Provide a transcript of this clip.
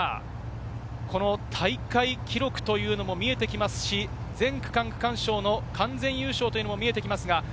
大会記録というのも見えてきますし、全区間区間賞の完全優勝も見えてきます。